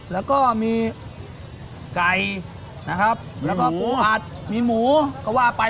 แล้วก็มีไก่นะครับแล้วก็ปูอัดมีหมูก็ว่าไป